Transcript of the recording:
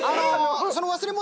その忘れ物